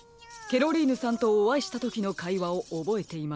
ケロリーヌさんとおあいしたときのかいわをおぼえていますか？